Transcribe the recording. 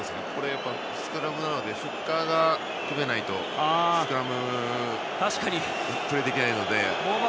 スクラムなのでフッカーがとれないとスクラムのプレーができないので。